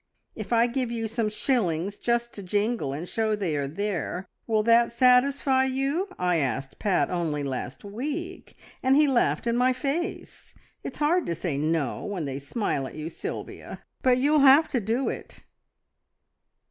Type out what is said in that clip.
`If I give you some shillings just to jingle, and show they are there, will that satisfy you?' I asked Pat only last week, and he laughed in my face! It's hard to say `No' when they smile at you, Sylvia, but you'll have to do it."